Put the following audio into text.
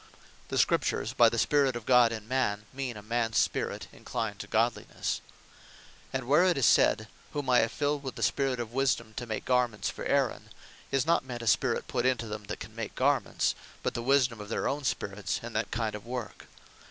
The Scriptures by the Spirit of God in man, mean a mans spirit, enclined to Godlinesse. And where it is said (Exod. 28. 3.) "Whom I have filled with the Spirit of wisdome to make garments for Aaron," is not meant a spirit put into them, that can make garments; but the wisdome of their own spirits in that kind of work.